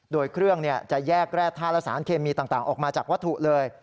โดยเครื่องจะแยกแร่ท่าและสารเคมีต่างออกมาจากวัตถุเลย